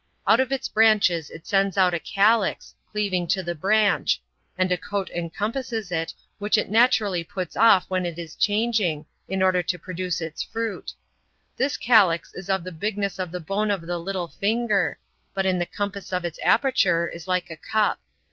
Out of its branches it sends out a calyx, cleaving to the branch; and a coat encompasses it, which it naturally puts off when it is changing, in order to produce its fruit. This calyx is of the bigness of the bone of the little finger, but in the compass of its aperture is like a cup.